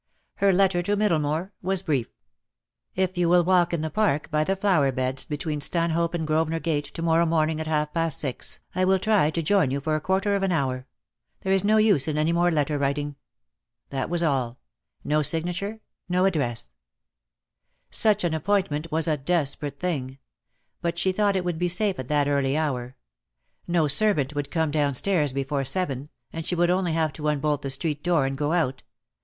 Her letter to Middlemore was brief: "If you will walk in the Park, by the flower beds, between Stanhope and Grosvenor Gate, to morrow morning at half past six, I will try to join you for a quarter of an hour. There is no use in any more letter writing." DEAD LOVE HAS CHAINS. 253 That was all; no signature, no address. Such an appointment was a desperate thing; but she thought it would be safe at that early hour. No servant would come downstairs before seven, and she would only have to unbolt the street door and go out.